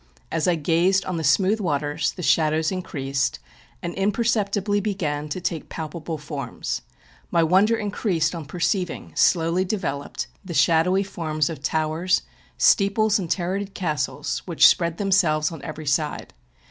As I gazed on the smooth waters the shadows in .leased, and imperceptibly began to take palpable forms. My wonder increased on perceiving, slowly deve lop :;d, the shadowy forms of towers, steeples, and tur reited castles, which spread themselves on every side.